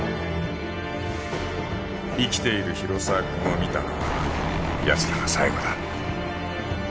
・生きている広沢君を見たのはやつらが最後だ